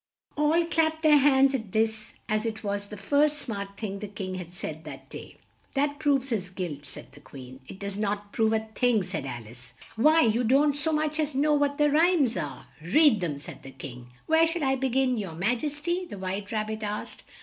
All clapped their hands at this as it was the first smart thing the King had said that day. "That proves his guilt," said the Queen. "It does not prove a thing," said Al ice, "Why you don't so much as know what the rhymes are." "Read them," said the King. "Where shall I be gin, your ma jes ty?" the White Rab bit asked.